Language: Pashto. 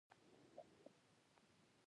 ورته وایي چې خیر خو دی، څه خبره ده؟